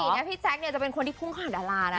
ปกตินะพี่แจ็คจะเป็นคนที่พุ่งข่าวอารานะ